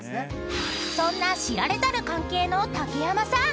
［そんな知られざる関係の竹山さん］